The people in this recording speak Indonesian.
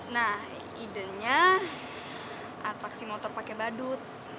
nah idenya atraksi motor pakai badut